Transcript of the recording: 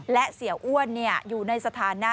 และเสียอ้วนอยู่ในสถานะ